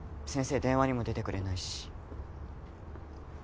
先生電話にも出てくれないし。